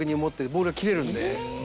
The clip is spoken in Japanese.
ボールが切れるので。